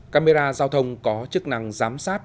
camera giao thông có chức năng giám sát